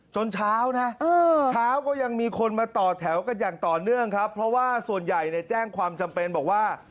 เช้านะเช้าก็ยังมีคนมาต่อแถวกันอย่างต่อเนื่องครับเพราะว่าส่วนใหญ่เนี่ยแจ้งความจำเป็นบอกว่า